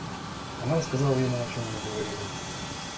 Она рассказала ему, о чем они говорили.